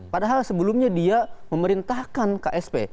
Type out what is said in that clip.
padahal sebelumnya dia memerintahkan ksp